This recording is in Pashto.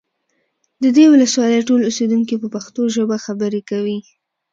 د دې ولسوالۍ ټول اوسیدونکي په پښتو ژبه خبرې کوي